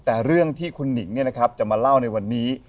แต่เรื่องที่คุณหญิงเนี่ยนะครับจะมาเล่าในวันนี้